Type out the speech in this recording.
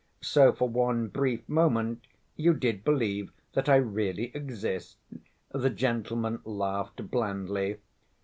So for one brief moment you did believe that I really exist," the gentleman laughed blandly.